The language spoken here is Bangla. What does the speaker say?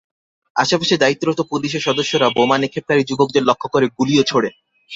আশপাশে দায়িত্বরত পুলিশের সদস্যরা বোমা নিক্ষেপকারী যুবকদের লক্ষ্য করে গুলিও ছোড়েন।